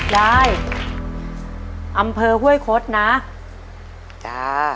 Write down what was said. ยายอำเภอห้วยคดนะจ้า